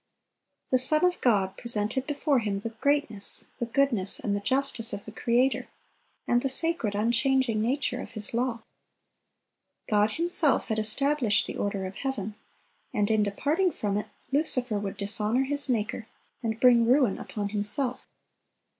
The Son of God presented before him the greatness, the goodness, and the justice of the Creator, and the sacred, unchanging nature of His law. God Himself had established the order of heaven; and in departing from it, Lucifer would dishonor his Maker, and bring ruin upon himself.